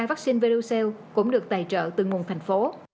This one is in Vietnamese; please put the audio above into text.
vaccine verocell cũng được tài trợ từ nguồn thành phố